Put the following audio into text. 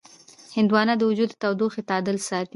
هندوانه د وجود د تودوخې تعادل ساتي.